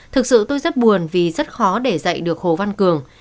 thực sự tôi rất buồn vì rất khó để dạy được hồ văn cường